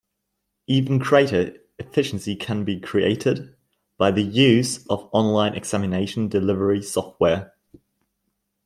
Even greater efficiency can be created by the use of online examination delivery software.